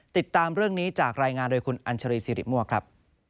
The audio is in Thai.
ติดตามเรื่องนี้จากรายงานโดยคุณอัญชรีสิริมั่วครับ